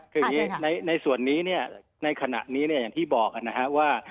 คืออย่างนี้ในส่วนนี้ในขณะนี้อย่างที่บอกนะครับว่า